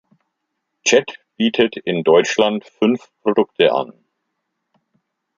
Jet bietet in Deutschland fünf Produkte an.